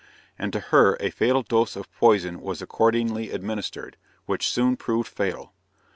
and to her a fatal dose of poison was accordingly administered, which soon proved fatal!